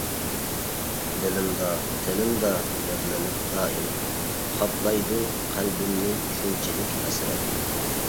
دىلىمدا، تىلىمدا يادلىنىپ دائىم، قاپلايدۇ قەلبىمنى شۇنچىلىك ھەسرەت.